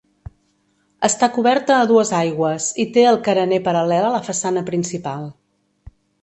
Està coberta a dues aigües i té el carener paral·lel a la façana principal.